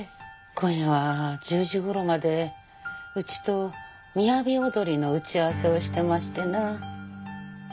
今夜は１０時頃までうちとみやび踊りの打ち合わせをしてましてな。